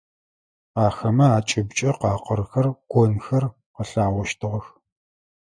Ахэмэ акӏыбкӏэ къакъырхэр, конхэр къэлъагъощтыгъэх.